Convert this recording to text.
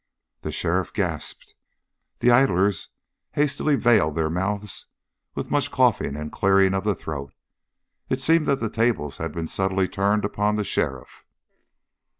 The sheriff gasped. The idlers hastily veiled their mouths with much coughing and clearing of the throat. It seemed that the tables had been subtly turned upon the sheriff.